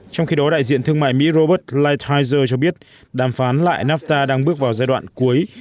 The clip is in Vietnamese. trong khi đó đại diện thương mại mỹ robert lighthizer cho biết đàm phán lại nafta đang bước vào giai đoạn cuối